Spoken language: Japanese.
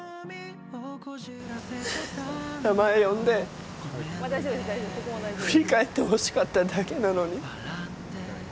名前、呼んで振り返ってほしかっただけなのに。